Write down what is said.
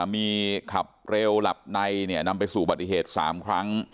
มีขับเร็วหลับในนำไปสู่บัติเหตุ๓ครั้ง